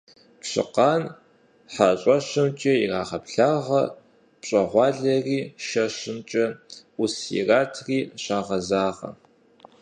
Пщыкъан хьэщӀэщымкӀэ ирагъэблагъэ, пщӀэгъуалэри шэщымкӀэ Ӏус иратри щагъэзагъэ.